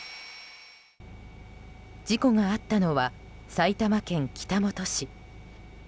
事故があったのは埼玉県北本市。